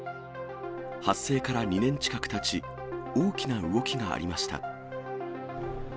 発生から２年近くたち、大きな動きがありました。